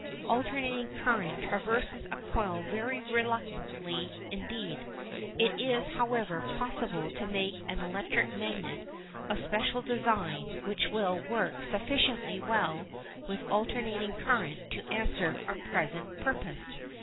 Alternating current traverses a coil very reluctantly indeed. It is, however, possible to make an electric magnet of special design which will work sufficiently well with alternating current to answer our present purpose.